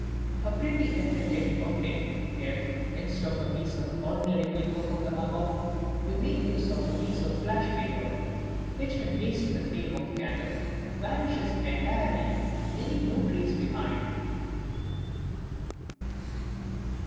A pretty effect can be obtained if, instead of using a piece of ordinary paper for the above, you make use of a piece of "flash" paper, which when placed in the flame of a candle vanishes entirely, leaving no trace behind.